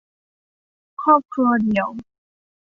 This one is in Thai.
ครอบครัวเดี่ยว